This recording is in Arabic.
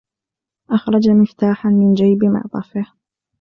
أخرج مفتاحًا من جيب معطفه.